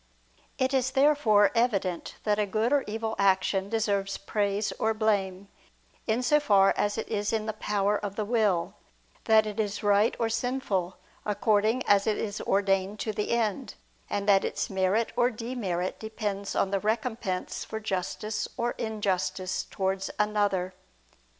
It is therefore evident that a good or evil action deserves praise or blame, in so far as it is in the power of the will: that it is right or sinful, according as it is ordained to the end; and that its merit or demerit depends on the recompense for justice or injustice towards another.